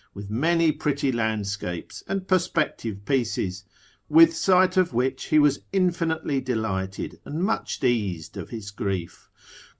with many pretty landscapes, and perspective pieces: with sight of which he was infinitely delighted, and much eased of his grief.